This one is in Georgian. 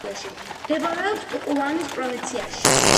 მდებარეობს ტუკუმანის პროვინციაში.